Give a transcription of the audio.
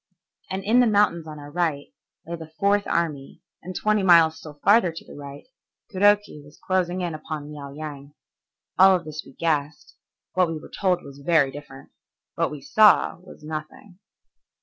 And in the mountains on our right lay the Fourth Army, and twenty miles still farther to the right, Kuroki was closing in upon Liao Yang. All of this we guessed, what we were told was very different, what we saw was nothing.